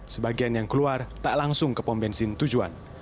sebagian yang keluar tak langsung ke pembensin tujuan